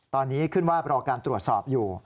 ตอนนี้ขึ้นว่ารอการตรวจสอบอยู่